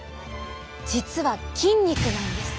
実は筋肉なんです。